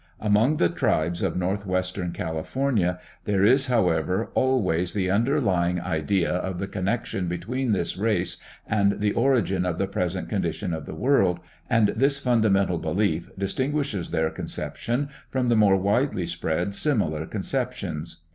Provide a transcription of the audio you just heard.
Among the tribes of northwestern California there is, 96 University of California Publications. [AM. ARCH. ETH. however, always the underlying idea of the connection between this race and the origin of the present condition of the world, and this fundamental belief distinguishes their conception from more widely spread similar conceptions.